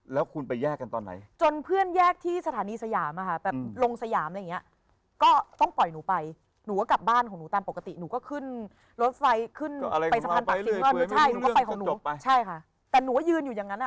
แล้วคุณไปแยกกันตอนไหน